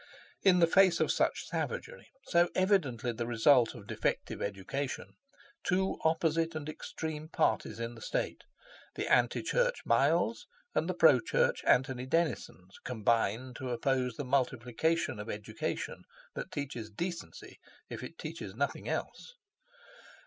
In the face of such savagery, so evidently the result of defective education, two opposite and extreme parties in the State, the anti church Mialls and the pro church Anthony Denisons, combine to oppose the multiplication of education that teaches decency if it teaches nothing else.